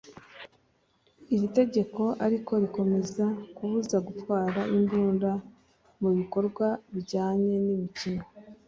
Iri tegeko ariko rikomeza kubuza gutwara imbunda mu bikorwa bijyanye n’imikino